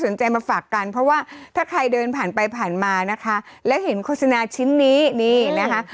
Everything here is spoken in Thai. มาฝากกันเพราะว่าถ้าใครเดินผ่านไปผ่านมานะคะแล้วเห็นโฆษณาชิ้นนี้นี่นะคะ